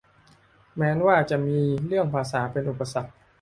แม้ว่าจะมีเรื่องภาษาเป็นอุปสรรค